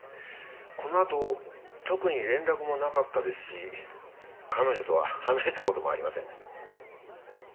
このあと特に連絡もなかったですし彼女とは話した事もありません。